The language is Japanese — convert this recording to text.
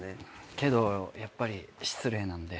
けどやっぱり失礼なんで。